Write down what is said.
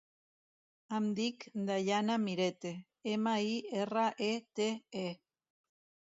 Em dic Dayana Mirete: ema, i, erra, e, te, e.